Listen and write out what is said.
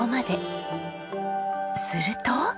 すると！